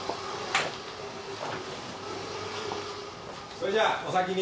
それじゃお先に。